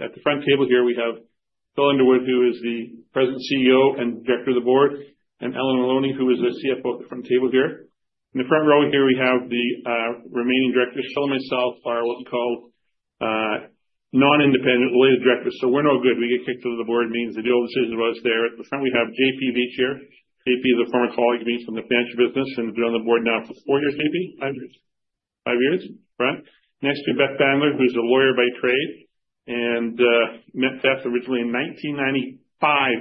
At the front table here, we have Phil Underwood, who is the President, CEO, and Director of the Board, and Elena Milantoni, who is the CFO at the front table here. In the front row here, we have the remaining directors. Phil and myself are what we call non-independent related directors, so we're no good. We get kicked out of the Board means they do all the decisions while I was there. At the front, we have JP Veitch here. JP is a former colleague of me from the financial business and has been on the Board now for four years. JP, five years. Five years, right? Next to Beth Bandler, who's a lawyer by trade and met Beth originally in 1995,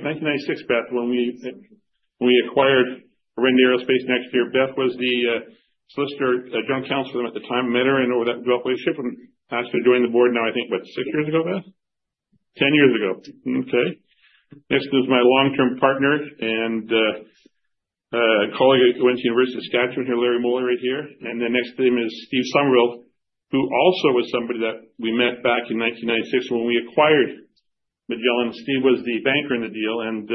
1996, Beth, when we acquired Orenda Aerospace next year. Beth was the Solicitor and General Counsel at the time, met her in over that acquisition and asked her to join the Board now, I think, what, six years ago, Beth? 10 years ago. Okay. Next is my long-term partner and colleague who went to University of Saskatchewan here, Larry Moeller right here, and then next to him is Steve Somerville, who also was somebody that we met back in 1996 when we acquired Magellan. Steve was the banker in the deal, and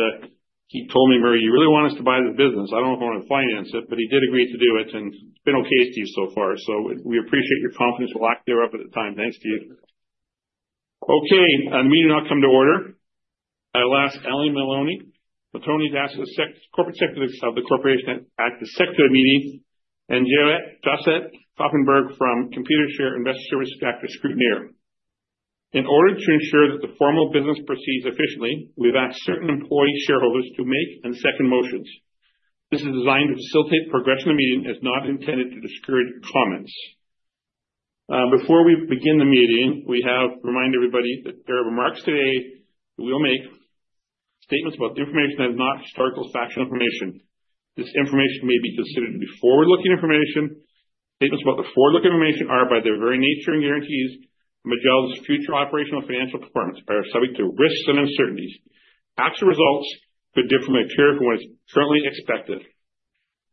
he told me, "Murray, you really want us to buy this business? I don't know if I want to finance it," but he did agree to do it, and it's been okay with Steve so far. So we appreciate your confidence. We'll lock the door up at the time. Thanks, Steve. Okay. The meeting will now come to order. I'll ask Elena Milantoni, Corporate Secretary of the Corporation and Secretary of the Meeting, and Josette Kaufenberg from Computershare Investor Services, Director, Scrutineer. In order to ensure that the formal business proceeds efficiently, we've asked certain employee shareholders to make and second motions. This is designed to facilitate progression of the meeting and is not intended to discourage comments. Before we begin the meeting, we have to remind everybody that there are remarks today that we'll make. Statements about the information that is not historical factual information. This information may be considered forward-looking information. Statements about the forward-looking information are, by their very nature and guarantees, Magellan's future operational financial performance are subject to risks and uncertainties. Actual results could differ from material for what is currently expected.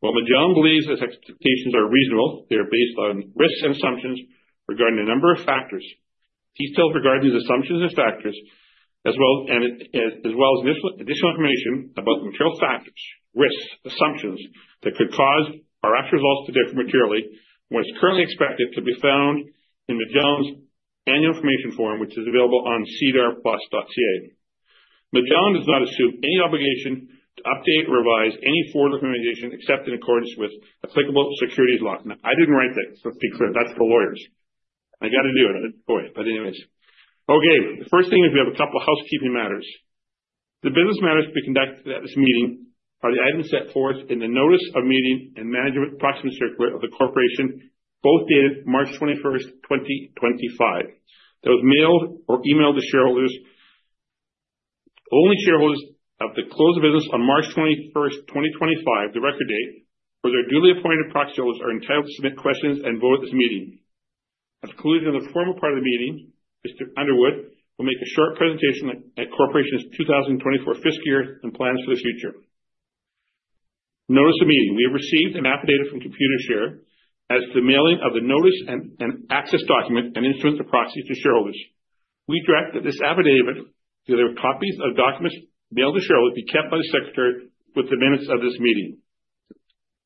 While Magellan believes his expectations are reasonable, they are based on risks and assumptions regarding a number of factors. Details regarding these assumptions and factors, as well as additional information about material factors, risks, assumptions that could cause our actual results to differ materially, what is currently expected can be found in Magellan's annual information form, which is available on sedarplus.ca. Magellan does not assume any obligation to update or revise any forward-looking information except in accordance with applicable securities law. Now, I didn't write that. So to be clear, that's for lawyers. I got to do it. Boy, but anyways. Okay. The first thing is we have a couple of housekeeping matters. The business matters to be conducted at this meeting are the items set forth in the Notice of Meeting and Management Proxy Circular of the Corporation, both dated March 21st, 2025. Those mailed or emailed to shareholders, only shareholders of the close of business on March 21st, 2025, the record date, or their duly appointed proxy holders are entitled to submit questions and vote at this meeting. At the conclusion of the formal part of the meeting, Mr. Underwood will make a short presentation at Corporation's 2024 fiscal year and plans for the future. Notice of Meeting. We have received an affidavit from Computershare as to the mailing of the notice and access document and instruments of proxy to shareholders. We direct that this affidavit, the copies of documents mailed to shareholders, be kept by the Secretary with the minutes of this meeting.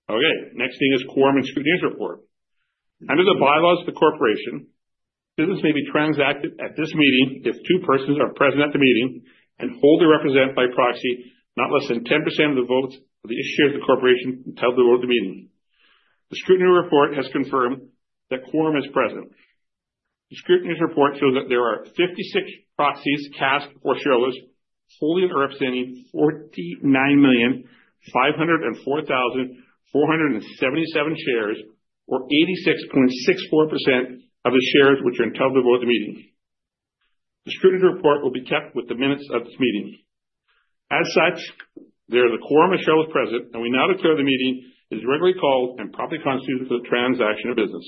Okay. Next thing is quorum and scrutineer's report. Under the bylaws of the Corporation, business may be transacted at this meeting if two persons are present at the meeting and hold or represent by proxy not less than 10% of the votes of the shares issued by the Corporation entitled to vote at the meeting. The scrutineer's report has confirmed that a quorum is present. The scrutineer's report shows that there are 56 proxies cast for shareholders holding or representing 49,504,477 shares, or 86.64% of the shares which are entitled to vote at the meeting. The scrutineer's report will be kept with the minutes of this meeting. As such, there is a quorum of shareholders present, and we now declare the meeting is regularly called and properly constituted for the transaction of business.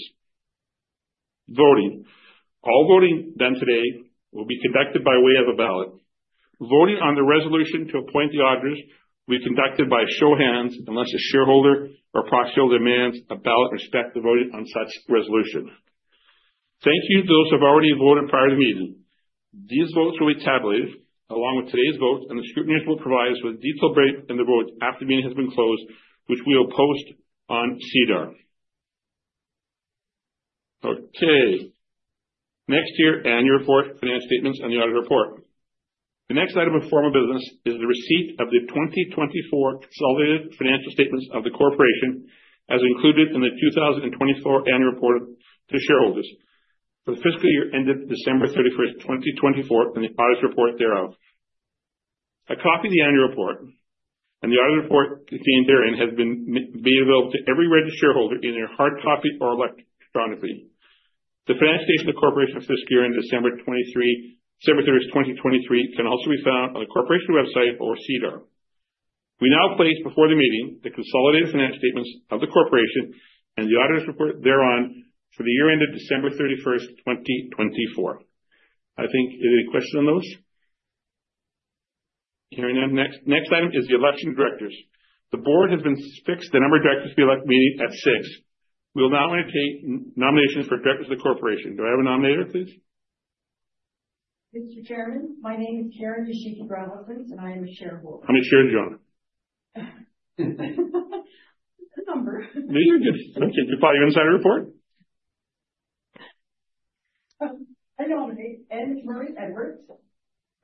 Voting. All voting done today will be conducted by way of a ballot. Voting on the resolution to appoint the auditors will be conducted by show of hands unless a shareholder or proxy holder demands a ballot with respect to the vote on such resolution. Thank you to those who have already voted prior to the meeting. These votes will be tabulated along with today's vote, and the Scrutineers will provide us with a detailed breakdown of the vote after the meeting has been closed, which we will post on SEDAR+. Okay. Next here, annual report, financial statements, and the auditor's report. The next item of formal business is the receipt of the 2024 consolidated financial statements of the Corporation as included in the 2024 annual report to shareholders for the fiscal year ended December 31st, 2024, and the auditor's report thereof. A copy of the annual report and the auditor's report contained therein has been made available to every registered shareholder either in hard copy or electronically. The financial statements of the Corporation for this year ended December 30, 2023, can also be found on the Corporation website or SEDAR. We now place before the meeting the consolidated financial statements of the Corporation and the auditor's report thereon for the year ended December 31st, 2024. I think, are there any questions on those? Hearing none. Next item is the election directors. The Board has been fixed the number of directors to be elected at meeting at six. We will now entertain nominations for directors of the Corporation. Do I have a nominator, please? Mr. Chairman, my name is Karen Yoshiki-Gravelsins, and I am a shareholder. How many shares do you own? A number. You're fine. You're inside the report? I nominate N. Murray Edwards,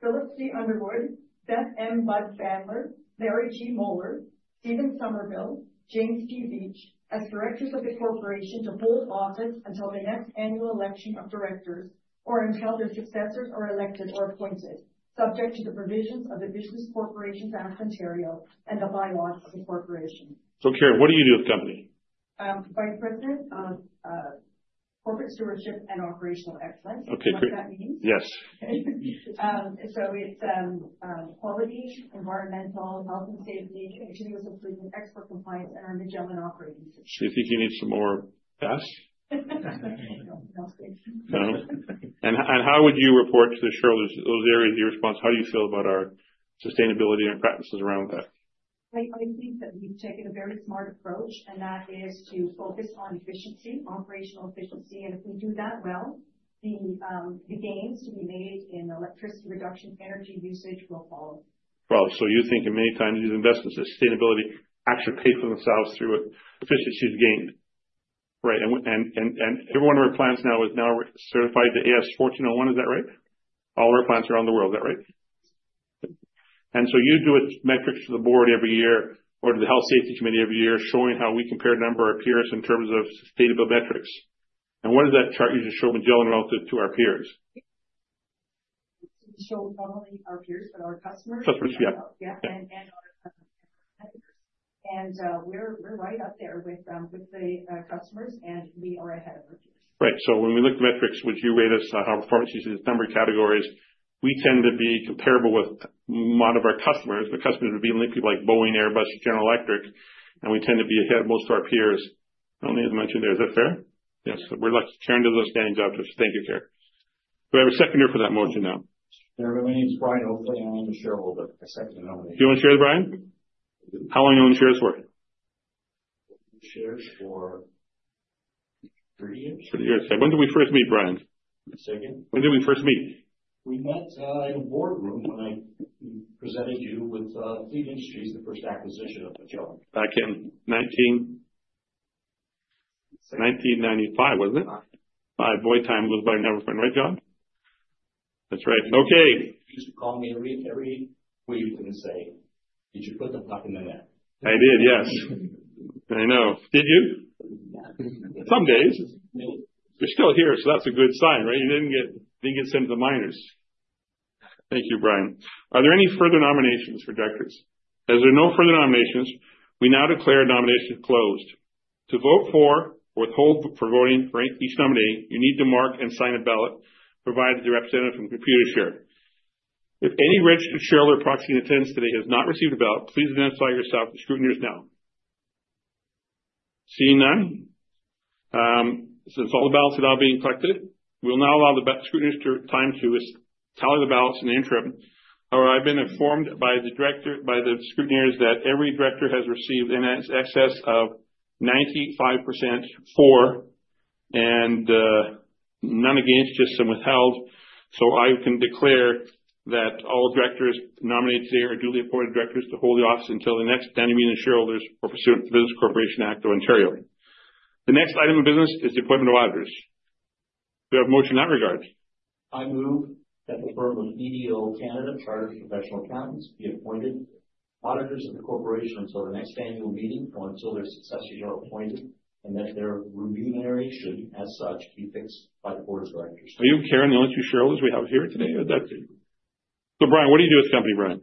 Phillip C. Underwood, Beth M. Bandler, Larry G. Moeller, Steven Somerville, James P. Veitch as directors of the Corporation to hold office until the next annual election of directors or until their successors are elected or appointed, subject to the provisions of the Business Corporations Act of Ontario and the bylaws of the Corporation. So, Karen, what do you do at the company? Vice President of Corporate Stewardship and Operational Excellence. Okay. Great. What that means. Yes. It's quality, environmental, health and safety, continuous improvement, export compliance, and our Magellan Operating System. Do you think you need some more, Beth? No? And how would you report to the shareholders? Those areas of your response, how do you feel about our sustainability and practices around that? I think that we've taken a very smart approach, and that is to focus on efficiency, operational efficiency, and if we do that well, the gains to be made in electricity reduction energy usage will follow. Problem. So you think in many times these investments in sustainability actually pay for themselves through efficiencies gained, right? And every one of our plants now is certified to ISO 14001, is that right? All of our plants around the world, is that right? And so you do metrics to the Board every year or to the Health Safety Committee every year showing how we compare a number of our peers in terms of sustainability metrics. And what does that chart usually show Magellan relative to our peers? It doesn't show only our peers, but our customers. Customers, yeah. Yeah, and our customers, and we're right up there with the customers, and we are ahead of our peers. Right. So when we look at the metrics, would you rate us on our performance using this number of categories? We tend to be comparable with a lot of our customers. Our customers would be people like Boeing, Airbus, General Electric, and we tend to be ahead of most of our peers, only as mentioned there. Is that fair? Yes. We're lucky Karen does those standing jobs, so thank you, Karen. Do I have a seconder for that motion now? I'm Brian Oakley, and I'm a shareholder. Do you want to share with Brian? How long do you own the shares for? Shares for three years. Three years. Okay. When did we first meet, Brian? The second. When did we first meet? We met in a boardroom when I presented you with Fleet Industries, the first acquisition of Magellan. Back in 1995, wasn't it? Time. Boy, time goes by so fast, right, John? That's right. Okay. You used to call me every week and say, "Did you put the duck in the net?" I did, yes. I know. Did you? Yeah. Some days. You're still here, so that's a good sign, right? You didn't get sent to the miners. Thank you, Brian. Are there any further nominations for directors? As there are no further nominations, we now declare nominations closed. To vote for or withhold for voting for each nominee, you need to mark and sign a ballot provided to the representative from Computershare. If any registered shareholder or proxy in attendance today has not received a ballot, please identify yourself to the scrutineers now. Seeing none, since all the ballots are now being collected, we'll now allow the scrutineers time to tally the ballots and in the interim. However, I've been informed by the scrutineers that every director has received an excess of 95% for and none against, just some withheld. I can declare that all directors nominated today are duly appointed directors to hold the office until the next annual meeting of shareholders pursuant to the Business Corporation Act of Ontario. The next item of business is the appointment of auditors. Do I have a motion in that regard? I move that the firm of BDO Canada Chartered Professional Accountants be appointed auditors of the Corporation until the next annual meeting or until their successors are appointed and that their remuneration, as such, be fixed by the Board of Directors. Are you Karen, the only two shareholders we have here today? So, Brian, what do you do at the company, Brian?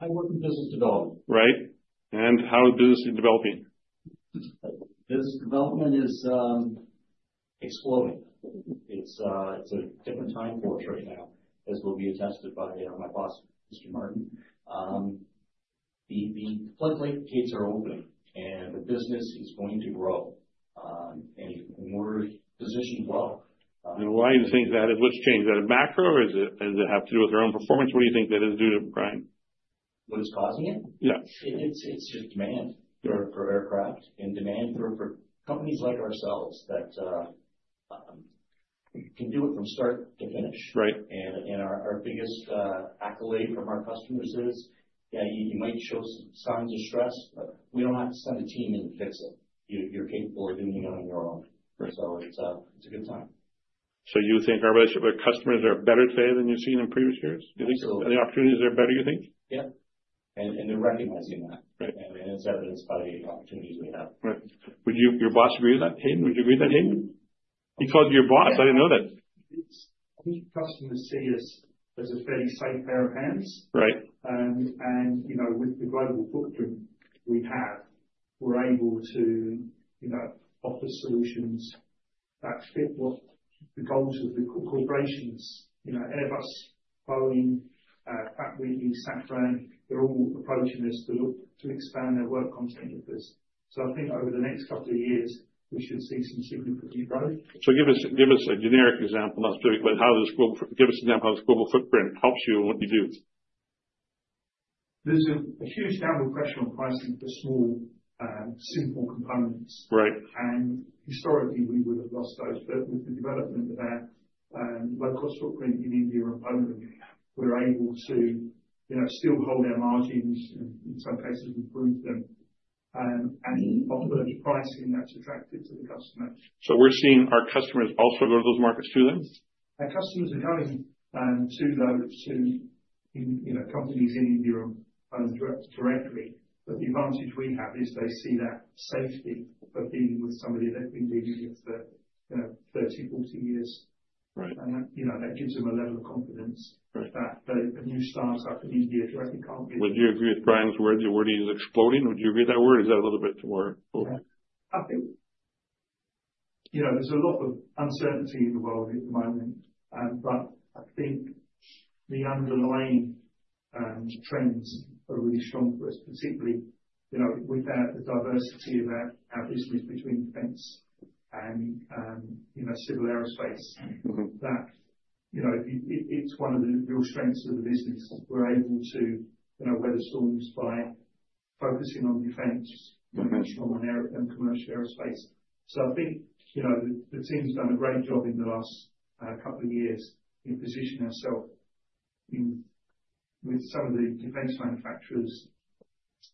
I work in business development. Right. And how is business developing? Business development is exploding. It's a different time for us right now, as will be attested by my boss, Mr. Martin. The floodgates are open, and the business is going to grow, and we're positioned well. Why do you think that? What's changed? Is that a macro? Does it have to do with our own performance? What do you think that is due to, Brian? What is causing it? Yeah. It's just demand for aircraft and demand for companies like ourselves that can do it from start to finish, and our biggest accolade from our customers is, "Yeah, you might show signs of stress, but we don't have to send a team in to fix it. You're capable of doing it on your own," so it's a good time. So you think our customers are better today than you've seen in previous years? Absolutely. The opportunities are better, you think? Yeah, and they're recognizing that, and it's evidenced by the opportunities we have. Right. Would your boss agree with that, Haydn? Would you agree with that, Haydn? He calls you your boss. I didn't know that. I think customers see us as a fairly safe pair of hands, and with the global footprint we have, we're able to offer solutions that fit the goals of the corporations. Airbus, Boeing, Pratt & Whitney, Safran, they're all approaching us to expand their work content with us, so I think over the next couple of years, we should see some significant growth. Give us a generic example, not specific, but how does this global footprint help you in what you do. There's a huge downward pressure on pricing for small, simple components. And historically, we would have lost those. But with the development of our low-cost footprint in India and Poland, we're able to still hold our margins and in some cases improve them and offer those pricing that's attractive to the customer. So we're seeing our customers also go to those markets too then? Our customers are going to those companies in India directly. But the advantage we have is they see that safety of being with somebody that they've been dealing with for 30, 40 years. And that gives them a level of confidence that a new startup in India directly can't be. Would you agree with Brian's words? Your wording is exploding. Would you agree with that word? Is that a little bit more? I think there's a lot of uncertainty in the world at the moment. But I think the underlying trends are really strong for us, particularly with the diversity of our business between Defence and civil aerospace. It's one of the real strengths of the business. We're able to weather storms by focusing on Defence, commercial aerospace. So I think the team's done a great job in the last couple of years in positioning ourselves with some of the Defence manufacturers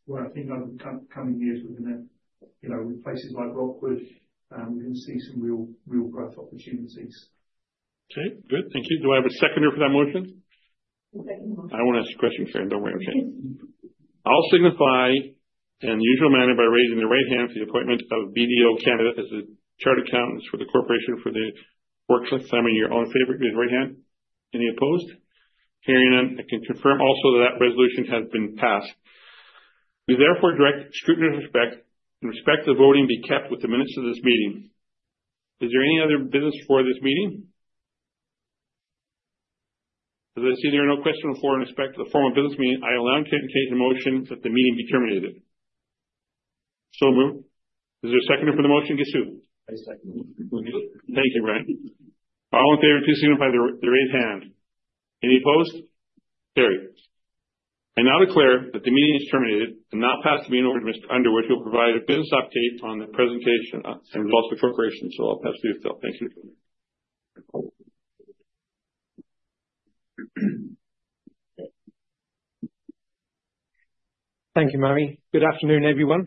where I think over the coming years, with places like Rockwood, we're going to see some real growth opportunities. Okay. Good. Thank you. Do I have a seconder for that motion? Second. I won't ask you a question, Karen. Don't worry. Thank you. I'll signify in the usual manner by raising the right hand for the appointment of BDO Canada as the chartered accountants for the Corporation for the working assignment year. All in favor raise your right hand. Any opposed? Hearing none, I can confirm also that that resolution has been passed. We therefore direct that the Scrutineers' report and results of the voting be kept with the minutes of this meeting. Is there any other business for this meeting? As I see, there are no questions on the form and conduct of the formal business meeting. I will now take the motion that the meeting be terminated. So moved. Is there a seconder for the motion? Guess who? I second. Thank you, Brian. All in favor, please signify by raising the hand. Any opposed? Carried. I now declare that the meeting is adjourned and now passed to be an order under which we'll provide a business update on the presentation and results of the corporation. So I'll pass to you, Phil. Thank you. Thank you, Murray. Good afternoon, everyone,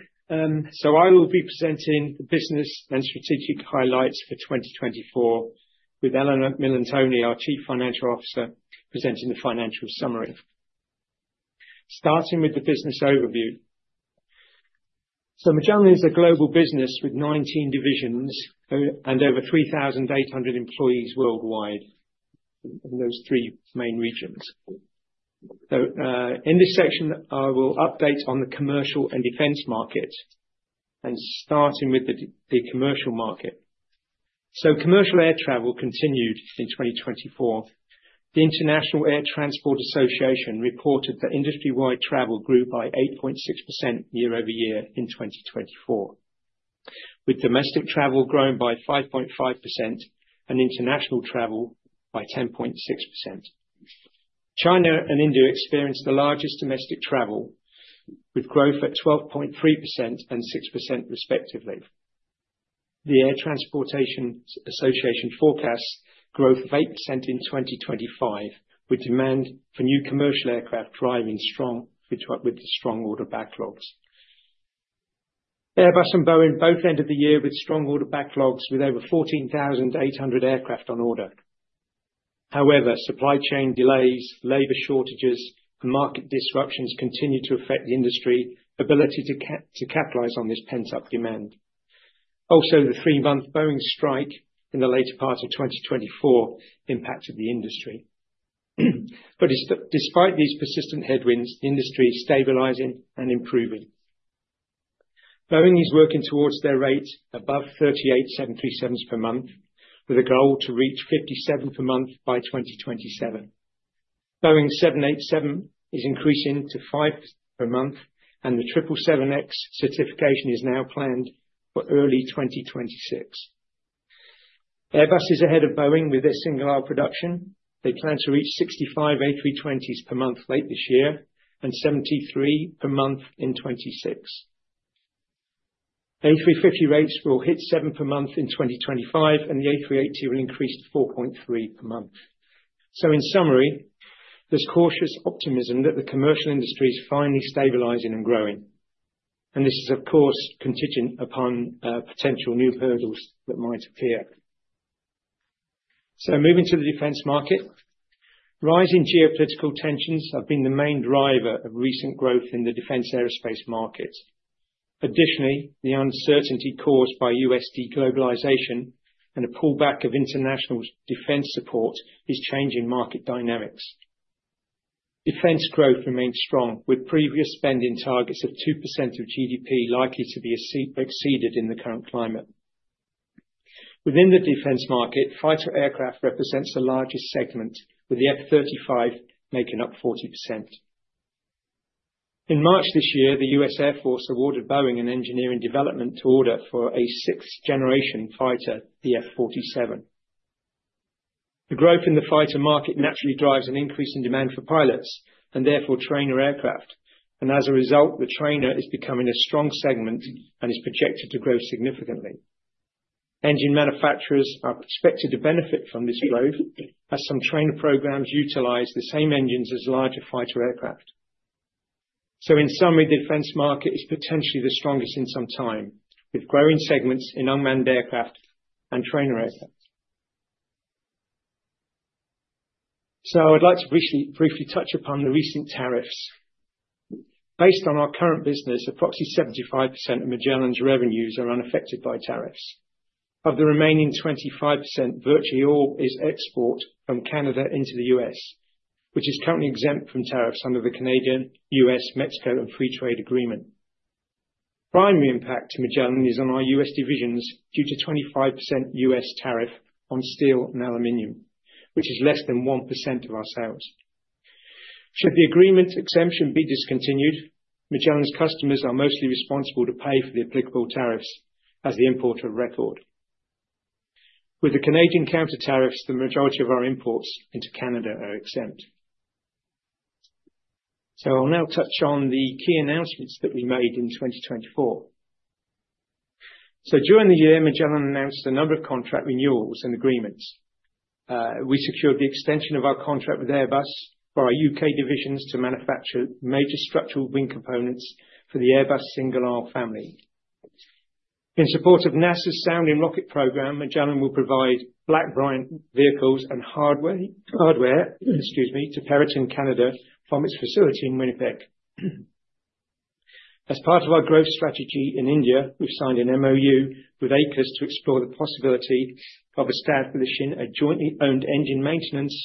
so I will be presenting the business and strategic highlights for 2024 with Elena Milantoni, our Chief Financial Officer, presenting the financial summary. Starting with the business overview, so Magellan is a global business with 19 divisions and over 3,800 employees worldwide in those three main regions, so in this section, I will update on the commercial and Defence markets and starting with the commercial market, so commercial air travel continued in 2024. The International Air Transport Association reported that industry-wide travel grew by 8.6% year-over-year in 2024, with domestic travel growing by 5.5% and international travel by 10.6%. China and India experienced the largest domestic travel, with growth at 12.3% and 6% respectively. The International Air Transport Association forecasts growth of 8% in 2025, with demand for new commercial aircraft driving strong with the strong order backlogs. Airbus and Boeing both ended the year with strong order backlogs, with over 14,800 aircraft on order. However, supply chain delays, labor shortages, and market disruptions continue to affect the industry's ability to capitalize on this pent-up demand. Also, the three-month Boeing strike in the later part of 2024 impacted the industry. But despite these persistent headwinds, the industry is stabilizing and improving. Boeing is working towards their rate above 38 737s per month, with a goal to reach 57 per month by 2027. Boeing's 787 is increasing to five per month, and the 777X certification is now planned for early 2026. Airbus is ahead of Boeing with their single-aisle production. They plan to reach 65 A320s per month late this year and 73 per month in 2026. A350 rates will hit seven per month in 2025, and the A380 will increase to 4.3 per month. In summary, there's cautious optimism that the commercial industry is finally stabilizing and growing. And this is, of course, contingent upon potential new hurdles that might appear. Moving to the Defence market, rising geopolitical tensions have been the main driver of recent growth in the Defence aerospace market. Additionally, the uncertainty caused by U.S. deglobalization and a pullback of international Defence support is changing market dynamics. Defence growth remains strong, with previous spending targets of 2% of GDP likely to be exceeded in the current climate. Within the Defence market, fighter aircraft represents the largest segment, with the F-35 making up 40%. In March this year, the U.S. Air Force awarded Boeing an engineering development to order for a sixth-generation fighter, the F-47. The growth in the fighter market naturally drives an increase in demand for pilots and therefore trainer aircraft. And as a result, the trainer is becoming a strong segment and is projected to grow significantly. Engine manufacturers are expected to benefit from this growth as some trainer programs utilize the same engines as larger fighter aircraft. So in summary, the Defence market is potentially the strongest in some time, with growing segments in unmanned aircraft and trainer aircraft. So I'd like to briefly touch upon the recent tariffs. Based on our current business, approximately 75% of Magellan's revenues are unaffected by tariffs. Of the remaining 25%, virtually all is export from Canada into the U.S., which is currently exempt from tariffs under the Canadian, U.S., Mexico, and Free Trade Agreement. Primary impact to Magellan is on our U.S. divisions due to 25% U.S. tariff on steel and aluminum, which is less than 1% of our sales. Should the agreement exemption be discontinued, Magellan's customers are mostly responsible to pay for the applicable tariffs as the importer of record. With the Canadian counter tariffs, the majority of our imports into Canada are exempt. So I'll now touch on the key announcements that we made in 2024. So during the year, Magellan announced a number of contract renewals and agreements. We secured the extension of our contract with Airbus for our U.K. divisions to manufacture major structural wing components for the Airbus single-aisle family. In support of NASA's Sounding Rocket program, Magellan will provide Black Brant vehicles and hardware to Peraton Canada from its facility in Winnipeg. As part of our growth strategy in India, we've signed an MoU with Aequs to explore the possibility of establishing a jointly owned engine maintenance,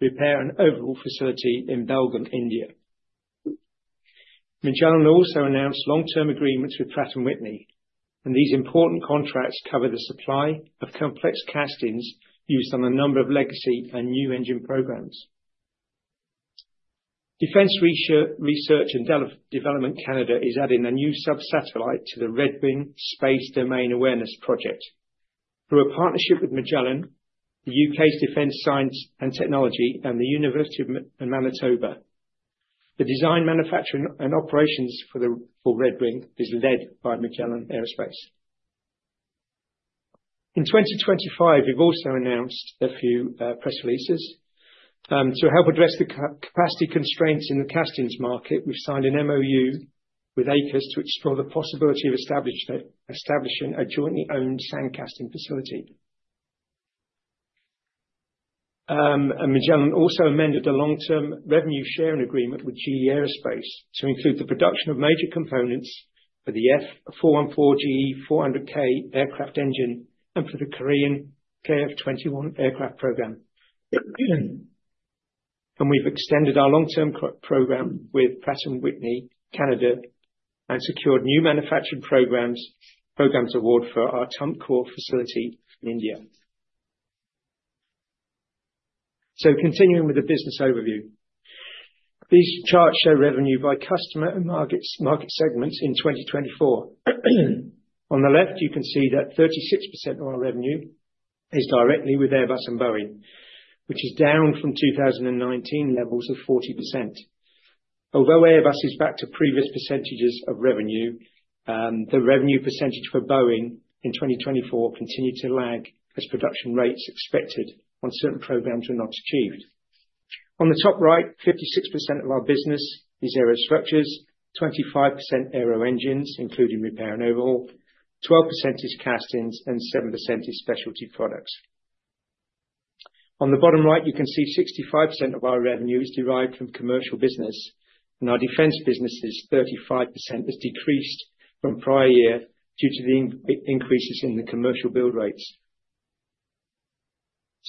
repair, and overhaul facility in Belagavi, India. Magellan also announced long-term agreements with Pratt & Whitney. These important contracts cover the supply of complex castings used on a number of legacy and new engine programs. Defence Research and Development Canada is adding a new sub-satellite to the Redwing Space Domain Awareness Project. Through a partnership with Magellan, the UK's Defence Science and Technology Laboratory and the University of Manitoba, the design, manufacturing, and operations for Redwing is led by Magellan Aerospace. In 2025, we've also announced a few press releases. To help address the capacity constraints in the castings market, we've signed an MoU with Aequs to explore the possibility of establishing a jointly owned sand casting facility. Magellan also amended the long-term revenue sharing agreement with GE Aerospace to include the production of major components for the F414-GE-400K aircraft engine and for the Korean KF-21 aircraft program. We've extended our long-term program with Pratt & Whitney Canada and secured new manufacturing programs award for our Tumakuru facility in India. Continuing with the business overview, these charts show revenue by customer and market segments in 2024. On the left, you can see that 36% of our revenue is directly with Airbus and Boeing, which is down from 2019 levels of 40%. Although Airbus is back to previous percentages of revenue, the revenue percentage for Boeing in 2024 continued to lag as production rates expected on certain programs were not achieved. On the top right, 56% of our business is Aerostructures, 25% Aeroengines, including repair and overhaul, 12% is Castings, and 7% is Specialty Products. On the bottom right, you can see 65% of our revenue is derived from commercial business. Our Defence businesses, 35%, has decreased from prior year due to the increases in the commercial build rates.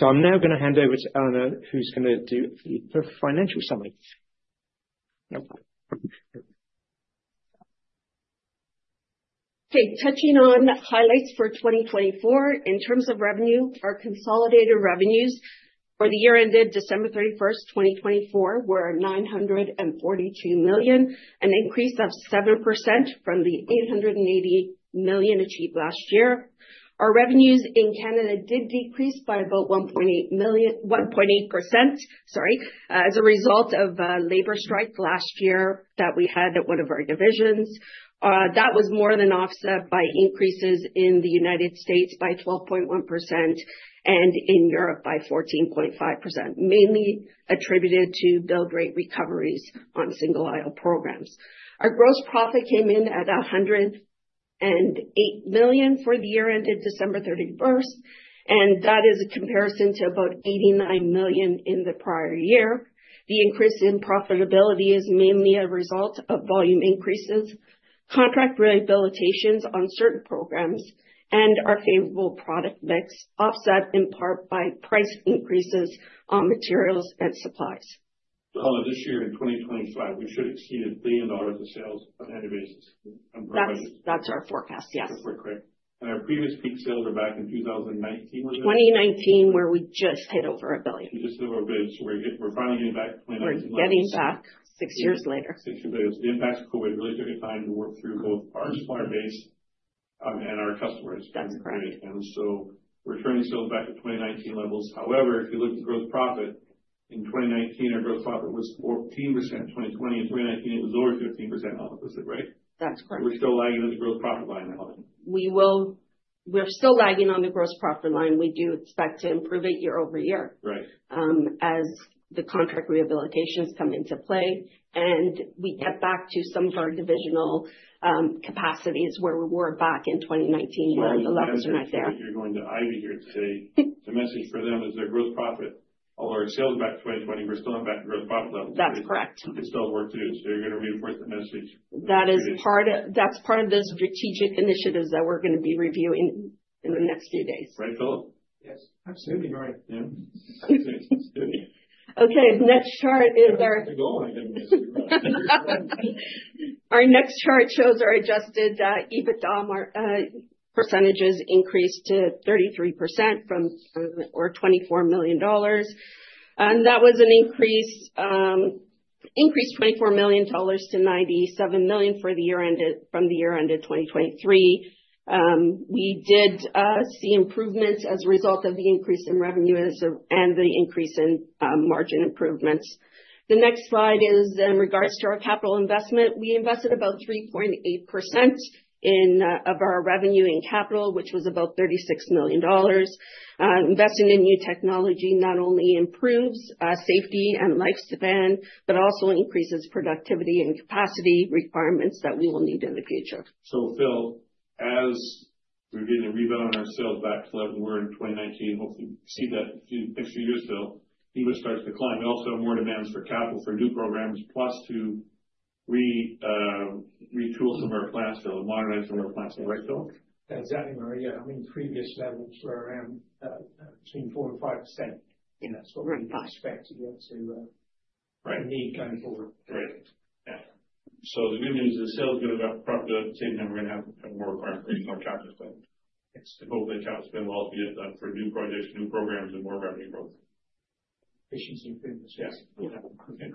I'm now going to hand over to Elena, who's going to do the financial summary. Okay. Touching on highlights for 2024, in terms of revenue, our consolidated revenues for the year ended December 31st, 2024, were 942 million, an increase of 7% from the 880 million achieved last year. Our revenues in Canada did decrease by about 1.8%, sorry, as a result of a labor strike last year that we had at one of our divisions. That was more than offset by increases in the United States by 12.1% and in Europe by 14.5%, mainly attributed to build rate recoveries on single-aisle programs. Our gross profit came in at 108 million for the year ended December 31st, and that is a comparison to about 89 million in the prior year. The increase in profitability is mainly a result of volume increases, contract rehabilitations on certain programs, and our favorable product mix offset in part by price increases on materials and supplies. Elena, this year in 2025, we should exceed 1 billion dollars in sales on annuities. That's our forecast, yes. That's correct. And our previous peak sales are back in 2019, was it? 2019, where we just hit over a billion. We just hit over 1 billion, so we're finally getting back to 2019. We're getting back six years later. Six years later. The impacts COVID really took a time to work through both our supplier base and our customers. That's correct. And so we're turning sales back to 2019 levels. However, if you look at the gross profit in 2019, our gross profit was 14%. In 2020 and 2019, it was over 15%. I'll have to say, right? That's correct. We're still lagging on the gross profit line, Elena. We're still lagging on the gross profit line. We do expect to improve it year-over-year as the contract rehabilitations come into play, and we get back to some of our divisional capacities where we were back in 2019 when the levels were not there. You're going to say the message for them is their gross profit. Although our sales are back to 2020, we're still not back to gross profit levels. That's correct. We can still work through, so you're going to reinforce the message. That is part of the strategic initiatives that we're going to be reviewing in the next few days. Right, Phillip? Yes. Absolutely, Murray. Yeah. Absolutely. Okay. The next chart is our. That's the goal. I didn't mishear. Our next chart shows our adjusted EBITDA percentages increased to 33% or $24 million. That was an increase of $24 million to $97 million from the year ended 2023. We did see improvements as a result of the increase in revenue and the increase in margin improvements. The next slide is in regard to our capital investment. We invested about 3.8% of our revenue in capital, which was about $36 million. Investing in new technology not only improves safety and lifespan, but also increases productivity and capacity requirements that we will need in the future. Phil, as we're getting the rebound on our sales back to level we were in 2019, hopefully we'll see that in the next few years, Phil, EBIT starts to climb. But also more demands for capital for new programs, plus to retool some of our plants or modernize some of our plants. Right, Phil? Exactly, Murray. Yeah. I mean, previous levels were between 4% and 5%, and that's what we expect to get to need going forward. Right. Yeah, so the good news is the sales are going to go up, prop to the same number, and have more requirements, more capital spend, and hopefully, that capital spend will also be up for new projects, new programs, and more revenue growth. Efficiency improvements, yes. Yeah.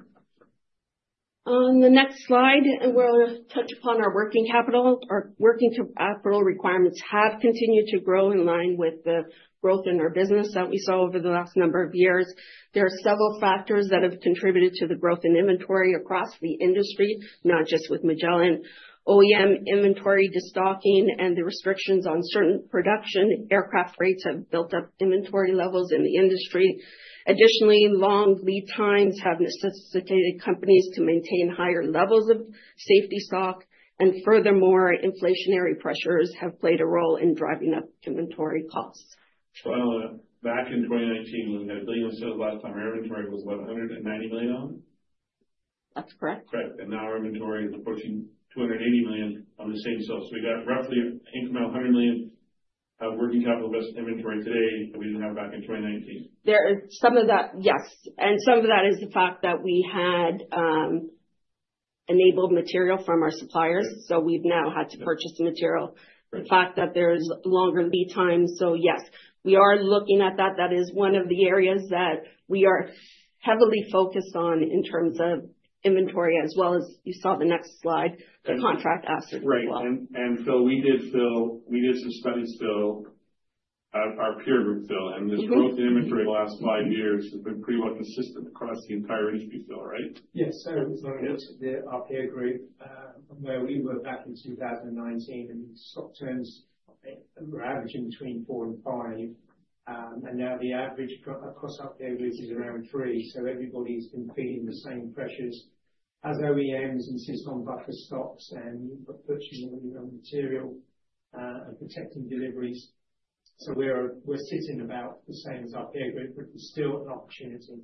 Okay. On the next slide, we'll touch upon our working capital. Our working capital requirements have continued to grow in line with the growth in our business that we saw over the last number of years. There are several factors that have contributed to the growth in inventory across the industry, not just with Magellan. OEM inventory destocking and the restrictions on certain production aircraft rates have built up inventory levels in the industry. Additionally, long lead times have necessitated companies to maintain higher levels of safety stock. Furthermore, inflationary pressures have played a role in driving up inventory costs. Elena, back in 2019, when we had 1 billion of sales last time, our inventory was about 190 million? That's correct. Correct. And now our inventory is approaching 280 million on the same sales. So we got roughly an incremental 100 million of working capital invested in inventory today that we didn't have back in 2019. There is some of that, yes, and some of that is the fact that we had enabled material from our suppliers, so we've now had to purchase the material. The fact that there's longer lead times, so yes, we are looking at that. That is one of the areas that we are heavily focused on in terms of inventory, as well as, you saw the next slide, the contract assets as well. Right. And Phil, we did some studies, Phil, of our peer group, Phil. And this growth in inventory the last five years has been pretty well-consistent across the entire industry, Phil, right? Yes, so the our peer group, where we were back in 2019, and stock turns were averaging between four and five, and now the average across our peer group is around three. So everybody's been feeling the same pressures as OEMs and supply chain buffer stocks and purchasing material and protecting deliveries. So we're sitting about the same as our peer group, but it's still an opportunity.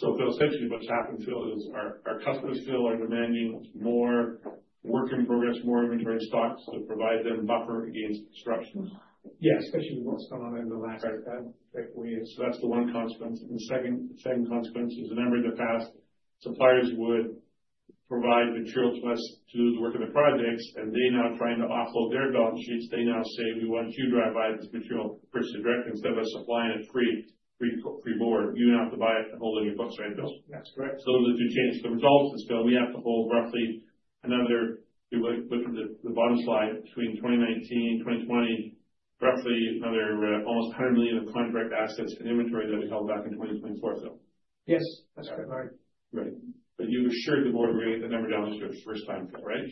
Phil, essentially what's happened, Phil, is our customers, Phil, are demanding more work in progress, more inventory and stocks to provide them buffer against disruption. Yeah, especially with what's gone on over the last three or four years. So that's the one consequence. And the second consequence is remember in the past, suppliers would provide materials to us to do the work of the projects. And they now trying to offload their balance sheets. They now say, "We want you to buy this material first and direct instead of us supplying it free of charge. You do have to buy it and hold it in your books," right, Phil? That's correct. So those are the two changes. The result is, Phil, we have to hold roughly another, if you look at the bottom slide, between 2019 and 2020, roughly another almost 100 million of contract assets and inventory that we held back in 2024, Phil. Yes. That's correct, Murray. Right, but you assured the board we're going to get that number down this year for the first time, Phil, right?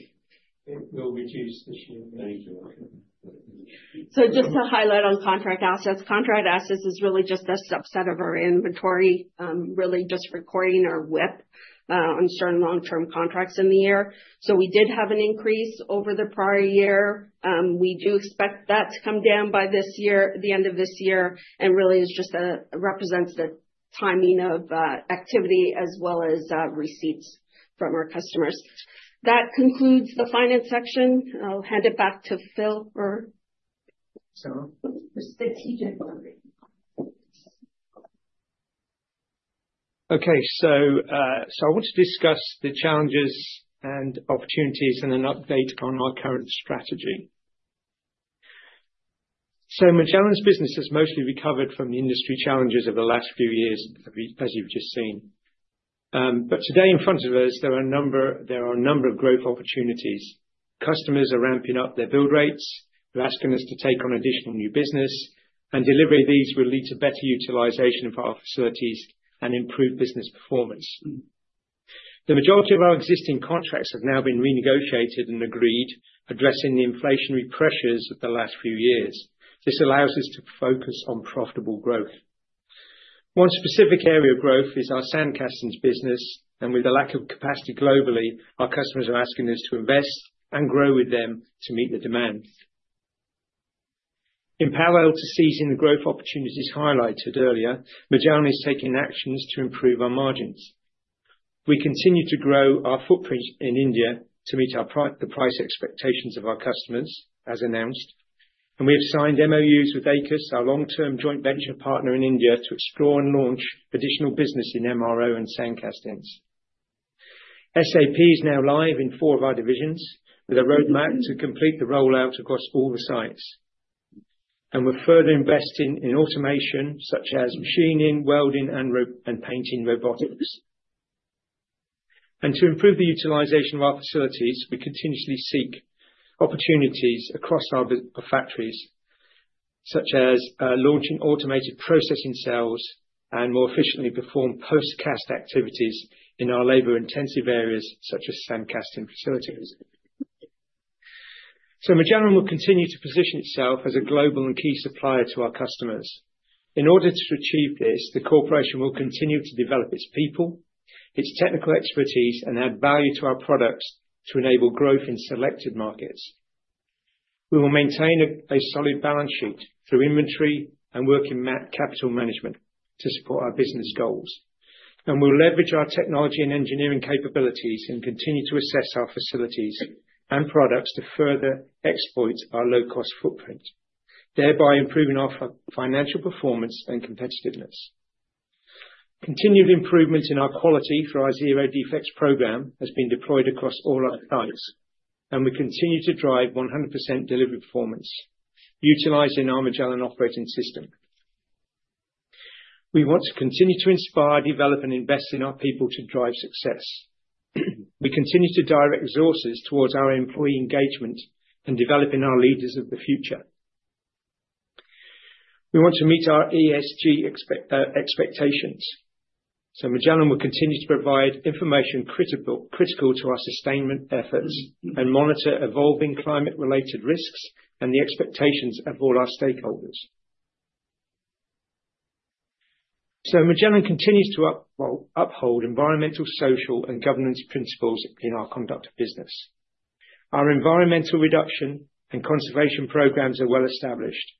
It will reduce this year. Thank you. So, just to highlight on Contract Assets, Contract Assets is really just a subset of our inventory, really just recording our WIP on certain long-term contracts in the year. So, we did have an increase over the prior year. We do expect that to come down by this year, the end of this year. And really, it just represents the timing of activity as well as receipts from our customers. That concludes the finance section. I'll hand it back to Phil or. So. Okay, so I want to discuss the challenges and opportunities and an update on our current strategy, so Magellan's business has mostly recovered from the industry challenges of the last few years, as you've just seen, but today, in front of us, there are a number of growth opportunities. Customers are ramping up their build rates. They're asking us to take on additional new business, and delivery of these will lead to better utilization of our facilities and improved business performance. The majority of our existing contracts have now been renegotiated and agreed, addressing the inflationary pressures of the last few years. This allows us to focus on profitable growth. One specific area of growth is our sand castings business, and with the lack of capacity globally, our customers are asking us to invest and grow with them to meet the demand. In parallel to seizing the growth opportunities highlighted earlier, Magellan is taking actions to improve our margins. We continue to grow our footprint in India to meet the price expectations of our customers, as announced, and we have signed MoUs with Aequs, our long-term joint venture partner in India, to explore and launch additional business in MRO and sand castings. SAP is now live in four of our divisions, with a roadmap to complete the rollout across all the sites, and we're further investing in automation, such as machining, welding, and painting robotics, and to improve the utilization of our facilities, we continuously seek opportunities across our factories, such as launching automated processing cells and more efficiently perform post-cast activities in our labor-intensive areas, such as sand casting facilities, so Magellan will continue to position itself as a global and key supplier to our customers. In order to achieve this, the corporation will continue to develop its people, its technical expertise, and add value to our products to enable growth in selected markets. We will maintain a solid balance sheet through inventory and working capital management to support our business goals, and we'll leverage our technology and engineering capabilities and continue to assess our facilities and products to further exploit our low-cost footprint, thereby improving our financial performance and competitiveness. Continued improvement in our quality through our Zero Defects program has been deployed across all our sites, and we continue to drive 100% delivery performance, utilizing our Magellan Operating System. We want to continue to inspire, develop, and invest in our people to drive success. We continue to direct resources towards our employee engagement and developing our leaders of the future. We want to meet our ESG expectations. Magellan will continue to provide information critical to our sustainment efforts and monitor evolving climate-related risks and the expectations of all our stakeholders. Magellan continues to uphold environmental, social, and governance principles in our conduct of business. Our environmental reduction and conservation programs are well established.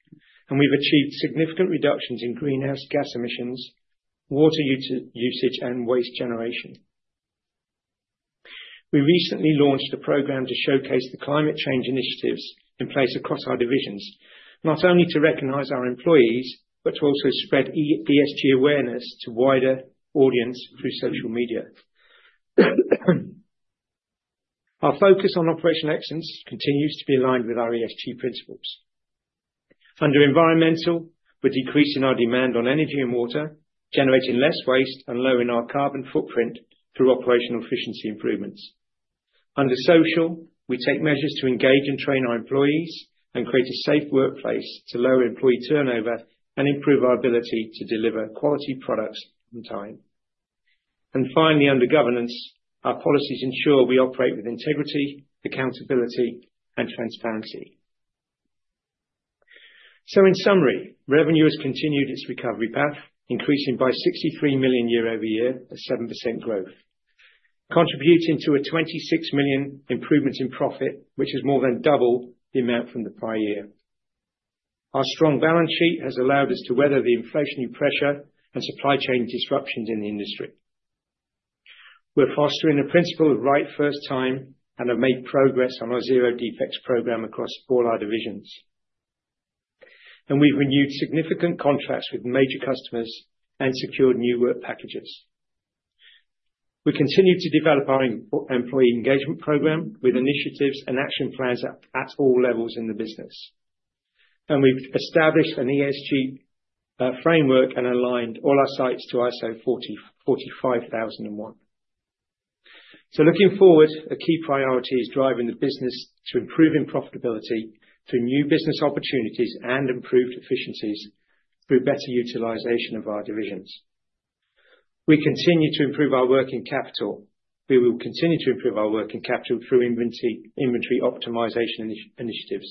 We've achieved significant reductions in greenhouse gas emissions, water usage, and waste generation. We recently launched a program to showcase the climate change initiatives in place across our divisions, not only to recognize our employees, but to also spread ESG awareness to a wider audience through social media. Our focus on operational excellence continues to be aligned with our ESG principles. Under environmental, we're decreasing our demand on energy and water, generating less waste and lowering our carbon footprint through operational efficiency improvements. Under social, we take measures to engage and train our employees and create a safe workplace to lower employee turnover and improve our ability to deliver quality products on time. And finally, under governance, our policies ensure we operate with integrity, accountability, and transparency. So in summary, revenue has continued its recovery path, increasing by 63 million year-over-year, a 7% growth, contributing to a 26 million improvement in profit, which is more than double the amount from the prior year. Our strong balance sheet has allowed us to weather the inflationary pressure and supply chain disruptions in the industry. We're fostering the principle of right first time and have made progress on our Zero Defects program across all our divisions. And we've renewed significant contracts with major customers and secured new work packages. We continue to develop our employee engagement program with initiatives and action plans at all levels in the business. And we've established an ESG framework and aligned all our sites to ISO 45001. So looking forward, a key priority is driving the business to improving profitability through new business opportunities and improved efficiencies through better utilization of our divisions. We continue to improve our working capital. We will continue to improve our working capital through inventory optimization initiatives.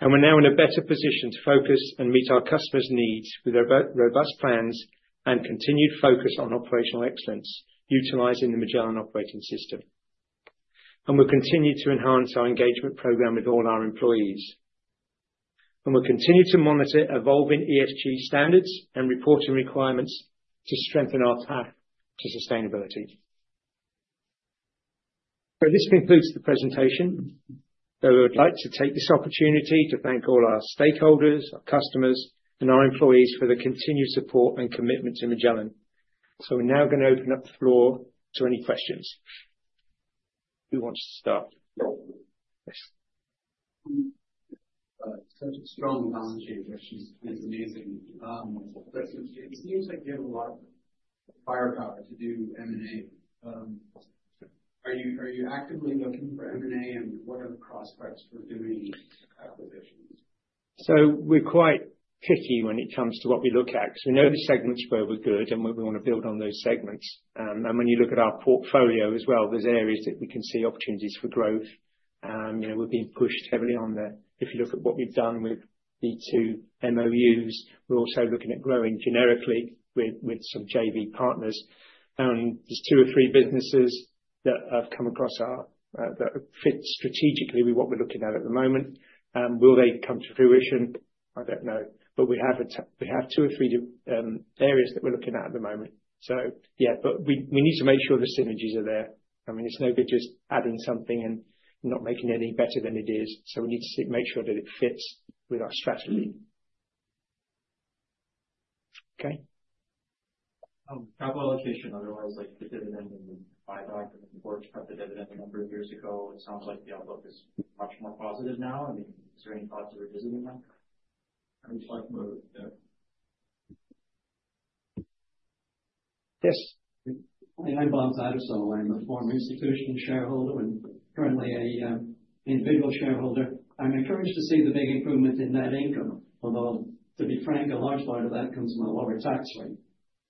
And we're now in a better position to focus and meet our customers' needs with robust plans and continued focus on operational excellence, utilizing the Magellan Operating System. And we'll continue to enhance our engagement program with all our employees. And we'll continue to monitor evolving ESG standards and reporting requirements to strengthen our path to sustainability. So this concludes the presentation. So I would like to take this opportunity to thank all our stakeholders, our customers, and our employees for the continued support and commitment to Magellan. So we're now going to open up the floor to any questions. Who wants to start? Yes. Such a strong balance sheet question. It's amazing. It seems like you have a lot of firepower to do M&A. Are you actively looking for M&A? And what are the prospects for doing acquisitions? So we're quite picky when it comes to what we look at because we know the segments where we're good and where we want to build on those segments. And when you look at our portfolio as well, there's areas that we can see opportunities for growth. We're being pushed heavily on there. If you look at what we've done with the two MoUs, we're also looking at growing generically with some JV partners. And there's two or three businesses that have come across that fit strategically with what we're looking at at the moment. Will they come to fruition? I don't know. But we have two or three areas that we're looking at at the moment. So, yeah, but we need to make sure the synergies are there. I mean, it's no good just adding something and not making it any better than it is. So we need to make sure that it fits with our strategy. Okay. Capital allocation. Otherwise, like the dividend and the buyback of the board cut the dividend a number of years ago. It sounds like the outlook is much more positive now. I mean, is there any thoughts of revisiting that? Yes. I'm Bob Tattersall. I'm a former institutional shareholder and currently an individual shareholder. I'm encouraged to see the big improvement in net income, although, to be frank, a large part of that comes from a lower tax rate.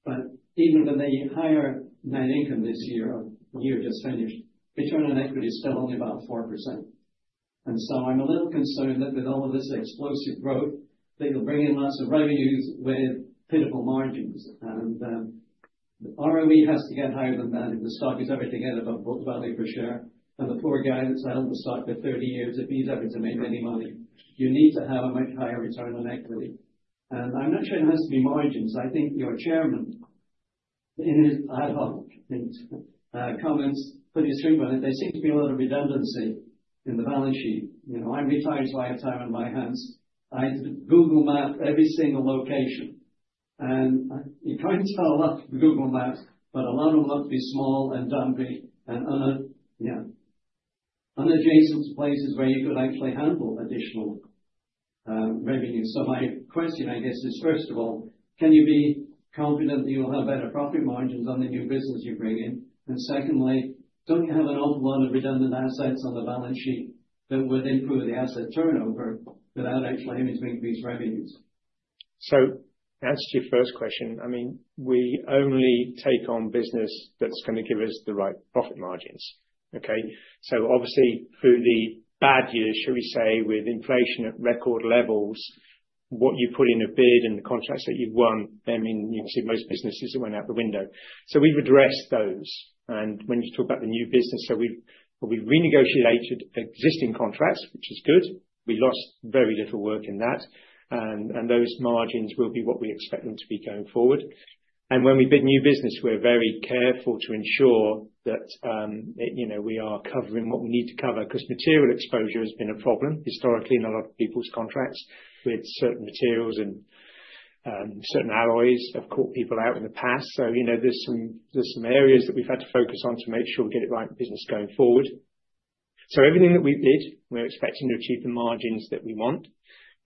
But even with the higher net income this year, the year just finished, return on equity is still only about 4%. And so I'm a little concerned that with all of this explosive growth, they'll bring in lots of revenues with pitiful margins. And the ROE has to get higher than that if the stock is ever to get above book value per share. And the poor guy that's held the stock for 30 years, if he's ever to make any money, you need to have a much higher return on equity. And I'm not sure it has to be margins. I think your chairman, in his ad hoc comments, put his finger on it. There seems to be a lot of redundancy in the balance sheet. I'm retired so I have time on my hands. I Google Map every single location, and you can't tell a lot from Google Maps, but a lot of them must be small and dumpy and unadjacent to places where you could actually handle additional revenue, so my question, I guess, is, first of all, can you be confident that you'll have better profit margins on the new business you bring in? And secondly, don't you have an awful lot of redundant assets on the balance sheet that would improve the asset turnover without actually aiming to increase revenues? So, answer to your first question, I mean, we only take on business that's going to give us the right profit margins, okay? So, obviously, through the bad years, shall we say, with inflation at record levels, what you put in a bid and the contracts that you've won, I mean, you can see most businesses that went out the window. So, we've addressed those, and when you talk about the new business, so we've renegotiated existing contracts, which is good. We lost very little work in that, and those margins will be what we expect them to be going forward, and when we bid new business, we're very careful to ensure that we are covering what we need to cover because material exposure has been a problem historically in a lot of people's contracts with certain materials and certain alloys have caught people out in the past. So there's some areas that we've had to focus on to make sure we get it right business going forward. So everything that we bid, we're expecting to achieve the margins that we want.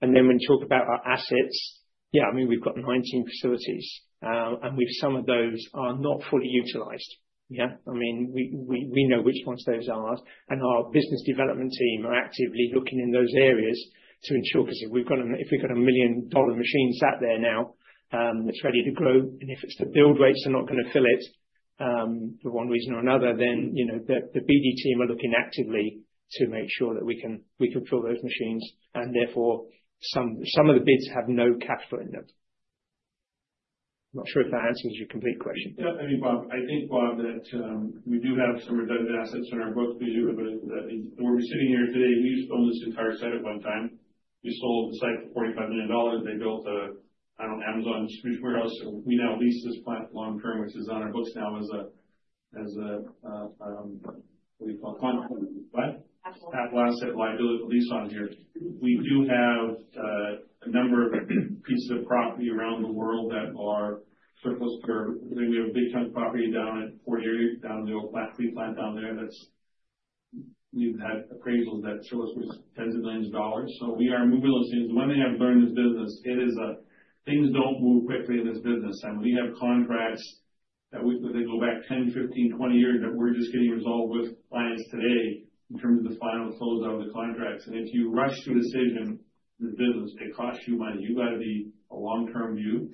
And then when we talk about our assets, yeah, I mean, we've got 19 facilities. And some of those are not fully utilized. Yeah? I mean, we know which ones those are. And our business development team are actively looking in those areas to ensure because if we've got a million-dollar machine sat there now, it's ready to grow. And if it's the build rates are not going to fill it for one reason or another, then the BD team are looking actively to make sure that we can fill those machines. And therefore, some of the bids have no cash flow in them. I'm not sure if that answers your complete question. I think, Bob, that we do have some redundant assets in our books. We were sitting here today. We used to own this entire site at one time. We sold the site for 45 million dollars. They built an Amazon sortation warehouse. We now lease this plant long-term, which is on our books now as a, what do you call it? What? Asset liability lease on here. We do have a number of pieces of property around the world that are surplus or we have a big ton of property down at Fort Erie, down the old Fleet plant down there. We've had appraisals that surplus was tens of millions CAD. So we are moving those things. The one thing I've learned in this business, it is that things don't move quickly in this business, and we have contracts that they go back 10, 15, 20 years that we're just getting resolved with clients today in terms of the final close of the contracts, and if you rush to a decision in this business, it costs you money. You got to be a long-term view,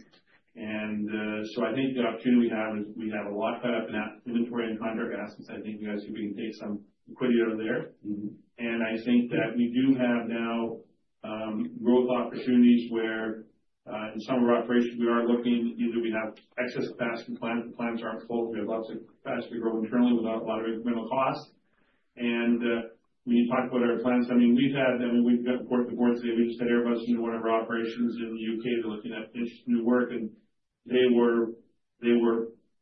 and so I think the opportunity we have is we have a lot of inventory and contract assets. I think you guys think we can take some equity out of there. And I think that we do have now growth opportunities where in some of our operations, we are looking either we have excess capacity plants. The plants aren't full. We have lots of capacity to grow internally without a lot of incremental costs. And when you talk about our plants, I mean, we've had, I mean, we've gotten to work with the board today. We just had Airbus into one of our operations in the UK. They're looking at interesting new work. And they were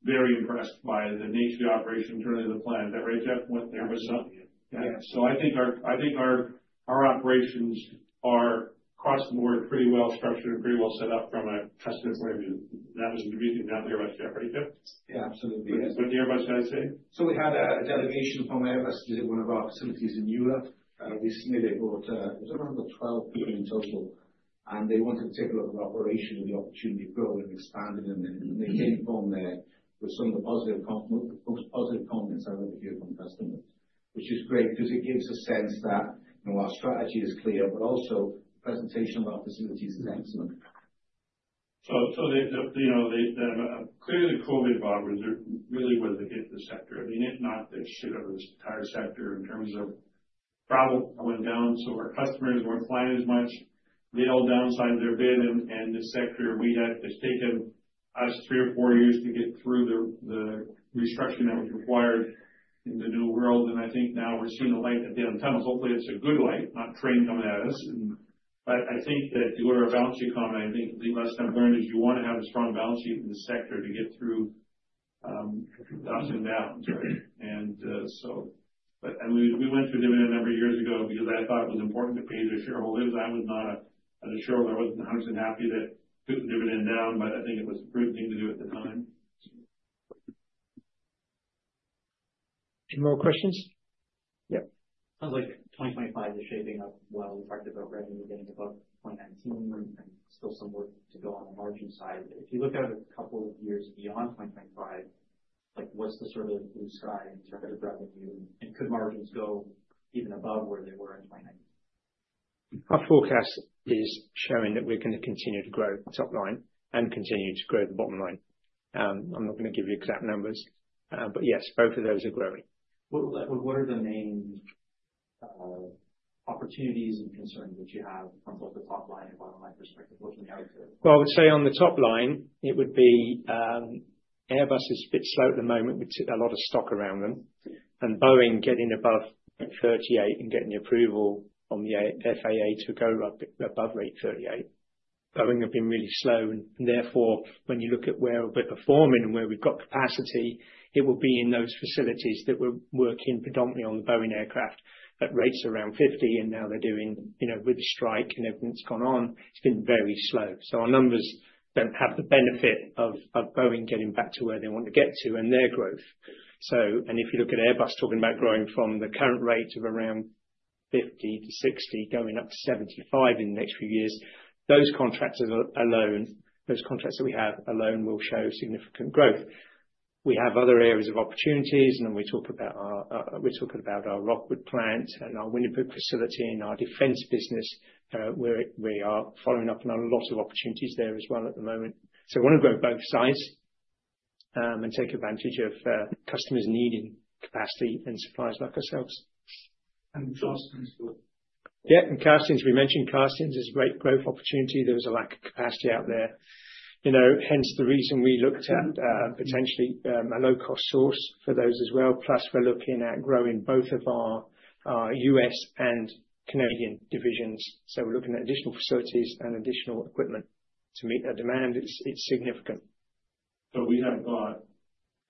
very impressed by the nature of the operation internally of the plant. Is that right, Jeff? Airbus. Airbus. Yeah. So I think our operations are cross-border pretty well structured and pretty well set up from a customer's point of view. That was the reason you're not with Airbus, Jeff, right, Jeff? Yeah, absolutely. What did Airbus guys say? We had a delegation from Airbus to one of our facilities in Europe. We submitted about, I don't know, about 12 people in total. They wanted to take a look at our operation and the opportunity to grow and expand it. They came from there with some of the positive comments I've heard here from customers, which is great because it gives a sense that our strategy is clear, but also the presentation of our facilities is excellent. So clearly, COVID, Bob, was really what hit the sector. I mean, it knocked the shit out of this entire sector in terms of problems going down. Our customers weren't flying as much. They all downsized their bid. This sector, we'd had, it's taken us three or four years to get through the restructuring that was required in the new world. I think now we're seeing a light at the end of tunnels. Hopefully, it's a good light, not train coming at us. I think that you wrote our balance sheet comment. I think the lesson I've learned is you want to have a strong balance sheet in this sector to get through the ups and downs, right? We went through dividend a number of years ago because I thought it was important to pay the shareholders. I was not a shareholder. I wasn't 100% happy that we put the dividend down, but I think it was a good thing to do at the time. Any more questions? Yeah. Sounds like 2025 is shaping up well. We talked about revenue getting above 2019 and still some work to go on the margin side. If you look at a couple of years beyond 2025, what's the sort of blue sky in terms of revenue? And could margins go even above where they were in 2019? Our forecast is showing that we're going to continue to grow the top line and continue to grow the bottom line. I'm not going to give you exact numbers, but yes, both of those are growing. What are the main opportunities and concerns that you have from both the top line and bottom line perspective looking out to? I would say on the top line, it would be Airbus is a bit slow at the moment with a lot of stock around them. Boeing getting above rate 38 and getting approval on the FAA to go above rate 38. Boeing have been really slow. Therefore, when you look at where we're performing and where we've got capacity, it will be in those facilities that were working predominantly on the Boeing aircraft at rates around 50. Now they're doing with the strike and everything that's gone on, it's been very slow. Our numbers don't have the benefit of Boeing getting back to where they want to get to and their growth. If you look at Airbus talking about growing from the current rate of around 50-60, going up to 75 in the next few years, those contractors alone, those contracts that we have alone will show significant growth. We have other areas of opportunities. Then we talk about our Rockwood plant and our Winnipeg facility and our Defence business. We are following up on a lot of opportunities there as well at the moment. We want to grow both sides and take advantage of customers needing capacity and suppliers like ourselves. And Castings. Yeah, and Castings, we mentioned Castings is a great growth opportunity. There was a lack of capacity out there. Hence the reason we looked at potentially a low-cost source for those as well. Plus, we're looking at growing both of our U.S. and Canadian divisions. So we're looking at additional facilities and additional equipment to meet that demand. It's significant. So we have got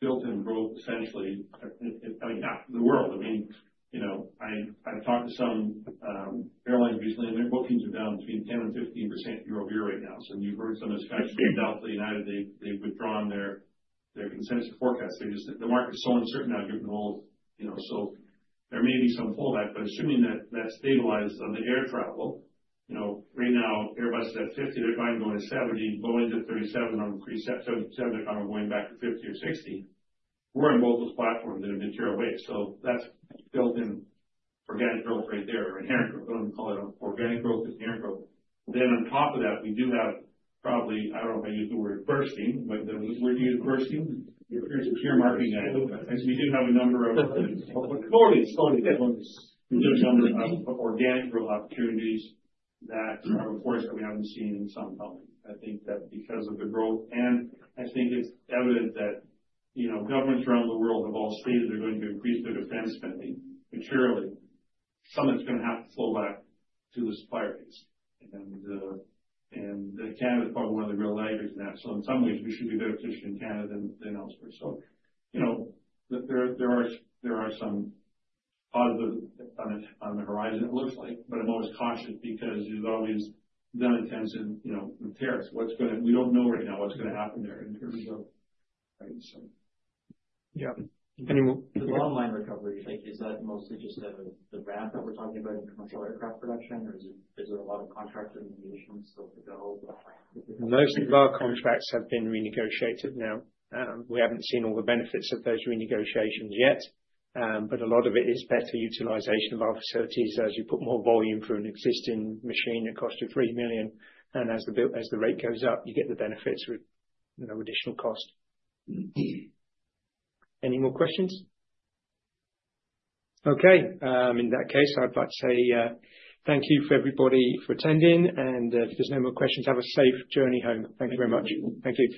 built-in growth essentially, I mean, the world. I mean, I've talked to some airlines recently, and their bookings are down between 10% and 15% year-over-year right now. So when you've heard some of the, they've withdrawn their consensus forecast. The market's so uncertain now given the whole, so there may be some pullback. But assuming that that stabilizes on the air travel, right now, Airbus is at 50. They're going to go to 70, Boeing to 37. On the 737, they're kind of going back to 50 or 60. We're on both those platforms in a material way. So that's built-in organic growth right there or inherent growth. I don't call it organic growth, it's inherent growth. Then on top of that, we do have probably. I don't know if I use the word bursting, but we're used to bursting. We do have a number of. We do have a number of organic growth opportunities that are a force that we haven't seen in some time. I think that because of the growth, and I think it's evident that governments around the world have all stated they're going to increase their Defence spending materially. Some of it's going to have to flow back to the supplier base, and Canada is probably one of the real laggards in that. In some ways, we should be better positioned in Canada than elsewhere. There are some positives on the horizon, it looks like. But I'm always cautious because there's always the uncertainty with tariffs. We don't know right now what's going to happen there in terms of. Right, so. Yeah. The ongoing recovery, is that mostly just the ramp that we're talking about in commercial aircraft production, or is there a lot of contract renegotiation still to go? Most of our contracts have been renegotiated now. We haven't seen all the benefits of those renegotiations yet. But a lot of it is better utilization of our facilities as you put more volume through an existing machine that costs you 3 million. And as the rate goes up, you get the benefits with no additional cost. Any more questions? Okay. In that case, I'd like to say thank you for everybody for attending. And if there's no more questions, have a safe journey home. Thank you very much. Thank you.